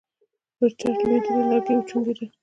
پر چت لوېدلي لرګي وچونګېدل.